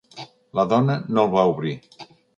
La dona no el va obrir.